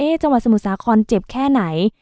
เอ๊ะจังหวัดสมุสาครเจ็บแค่ไหน